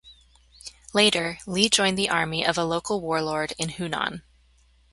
Later, Li joined the army of a local warlord in Hunan.